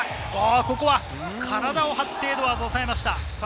ここは体を張ってエドワーズが抑えました。